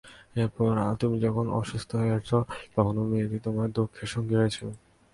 এরপর তুমি যখন অসুস্থ হয়েছ, তখনো মেয়েটি তোমার দুঃখের সঙ্গী হয়েছিল।